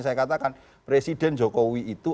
saya katakan presiden jokowi itu